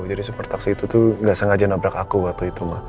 jadi supir taksi itu tuh nggak sengaja nabrak aku waktu itu ma